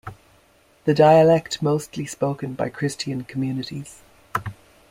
The dialect mostly spoken by Christian communities.